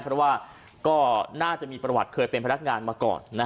ตามจับกลุ่มได้เพราะว่าน่าจะมีประวัติเคยเป็นพนักงานมาก่อน